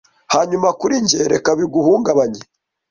Hanyuma kuri njye Reka biguhungabanye